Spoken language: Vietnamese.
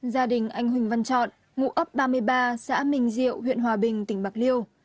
gia đình anh huỳnh văn trọn ngụ ấp ba mươi ba xã minh diệu huyện hòa bình tỉnh bạc liêu